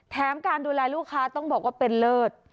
การดูแลลูกค้าต้องบอกว่าเป็นเลิศ